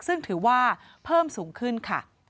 ซึ่งถือว่าเพิ่มสูงขึ้นค่ะ